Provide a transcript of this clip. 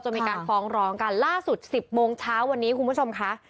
มีการฟ้องร้องกันล่าสุด๑๐โมงเช้าวันนี้คุณผู้ชมค่ะ